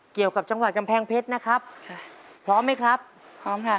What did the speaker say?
เกี่ยวกับจังหวัดกำแพงเพชรนะครับค่ะพร้อมไหมครับพร้อมค่ะ